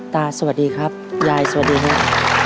ตาสวัสดีครับยายสวัสดีครับ